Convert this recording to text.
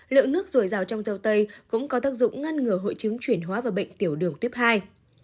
lượng nước dồi dào trong dầu tây cũng có tác dụng ngăn ngừa hội chứng chuyển hóa và bệnh tiểu đường tiếp hai